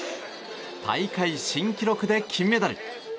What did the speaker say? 大会新記録で金メダル。